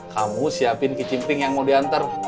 kamu siapin ke cimping yang mau diantar